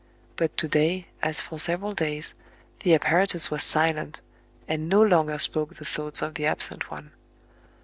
But to day, as for several days, the apparatus was silent, and no longer spoke the thoughts of the absent one.